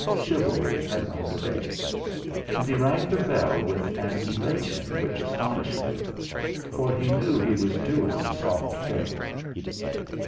Chivalry had won the day. And he rang the bell with an elation which astonished him, for he knew he was doing a soft thing.